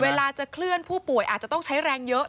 เวลาจะเคลื่อนผู้ป่วยอาจจะต้องใช้แรงเยอะ